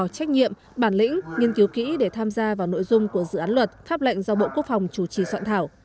trách nhiệm bản lĩnh nghiên cứu kỹ để tham gia vào nội dung của dự án luật pháp lệnh do bộ quốc phòng chủ trì soạn thảo